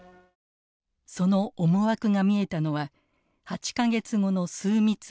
その思惑が見えたのは８か月後の枢密院。